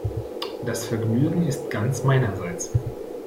Das Vergnügen ist ganz meinerseits.